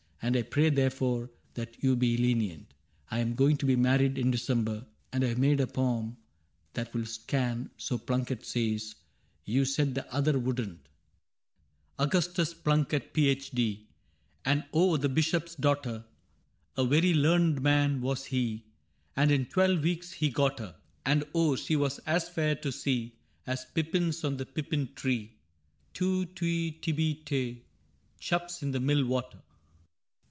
And I pray therefore that you be lenient. I *m going to be married in December, And I have made a poem that will scan — So Plunket says. You said the other would n't :^^ Augustus Plunket^ Ph. /)., And oh J the Bishop* s daughter ; A very learned man was he And in twelve weeks he got her ; CAPTAIN CRAIG 41 And oh J she was as fair to see As pippins on the pippin tree ... 2«, /«/, tihi^ te^ — chubs in the mill water.